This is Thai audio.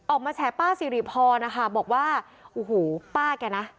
แฉป้าสิริพรนะคะบอกว่าโอ้โหป้าแกนะ